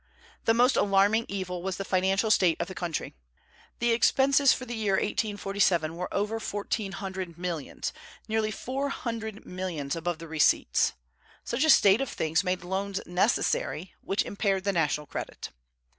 The most alarming evil was the financial state of the country. The expenses for the year 1847 were over fourteen hundred millions, nearly four hundred millions above the receipts. Such a state of things made loans necessary, which impaired the national credit.